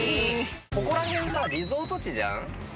ここら辺さリゾート地じゃん。